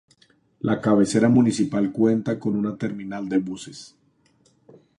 La cabecera municipal cuenta con una terminal de buses.